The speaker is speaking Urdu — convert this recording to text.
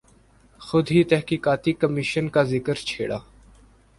خود ہی تحقیقاتی کمیشن کا ذکر چھیڑا۔